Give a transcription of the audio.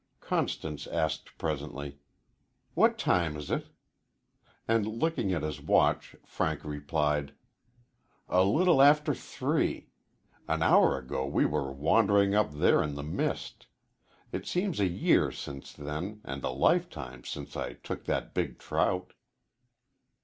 Constance asked presently: "What time is it?" And, looking at his watch, Frank replied: "A little after three. An hour ago we were wandering up there in the mist. It seems a year since then, and a lifetime since I took that big trout."